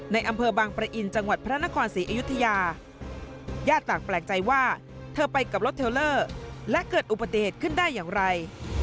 ในอำเภอบางปะอินจังหวัดพระนครศรีอยุธยาญาติต่างแปลกใจว่าเธอไปกับรถเทลเลอร์และเกิดอุบัติเหตุขึ้นได้อย่างไร